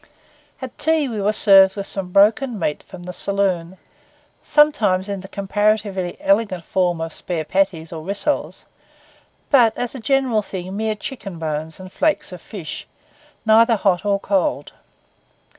At tea we were served with some broken meat from the saloon; sometimes in the comparatively elegant form of spare patties or rissoles; but as a general thing mere chicken bones and flakes of fish, neither hot nor cold.